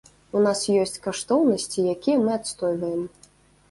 У нас ёсць каштоўнасці, якія мы адстойваем.